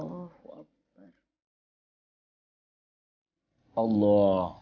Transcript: hasta seghini ya allah